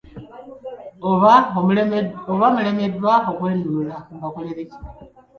Oba mulemeddwa okwenunula mbakolere ki?